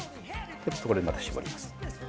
ここでまた絞ります。